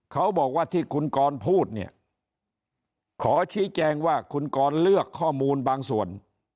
เขาบอกว่าที่คุณกรพูดเนี่ยขอชี้แจงว่าคุณกรเลือกข้อมูลบางส่วน